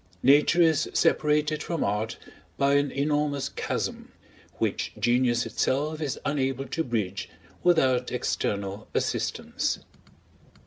Nature is separated from Art by an enormous chasm, which genius itself is unable to bridge without external assistance.